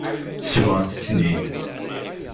Sebɣent-ten-id.